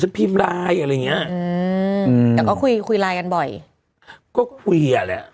พิมพ์ไลน์อะไรอย่างเงี้ยอืมแต่ก็คุยคุยไลน์กันบ่อยก็คุยอ่ะแหละ